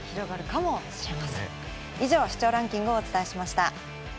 以上、視聴ランキングをお伝えしました。